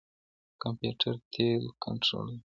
کمپيوټر تېل کنټرولوي.